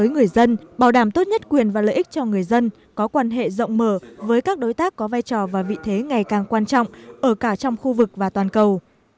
người dân bảo đảm tốt nhất quyền và lợi ích cho người dân có quan hệ rộng mở với các đối tác có vai trò và vị thế ngày càng quan trọng ở cả trong khu vực và toàn cầu